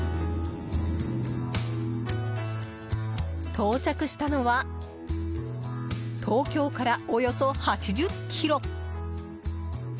到着したのは東京からおよそ８０ｋｍ